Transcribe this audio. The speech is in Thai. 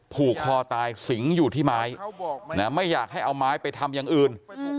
ผูกคอตายสิงอยู่ที่ไม้ไม่อยากให้เอาไม้ไปทำอย่างอื่น